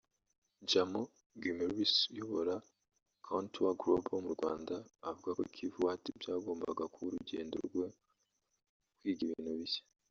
Jarmo Gummerus uyobora ContourGlobal mu Rwanda avuga ko KivuWatt byagombaga kuba urugendo rwo kwiga ibintu bishya